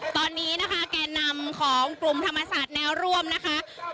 ตอนนี้นะคะแก่นำของกลุ่มธรรมศาสตร์แนวร่วมนะคะ